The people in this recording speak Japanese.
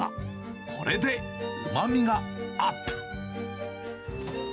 これでうまみがアップ。